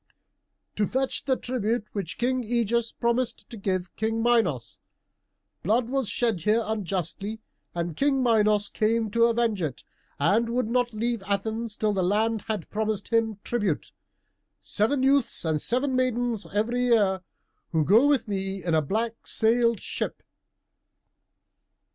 "To fetch the tribute which King Ægeus promised to King Minos. Blood was shed here unjustly, and King Minos came to avenge it, and would not leave Athens till the land had promised him tribute seven youths and seven maidens every year, who go with me in a black sailed ship."